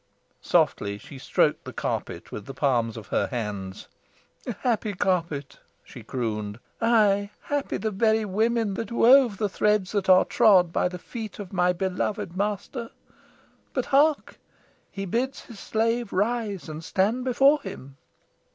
Softly she stroked the carpet with the palms of her hands. "Happy carpet!" she crooned. "Aye, happy the very women that wove the threads that are trod by the feet of my beloved master. But hark! he bids his slave rise and stand before him!"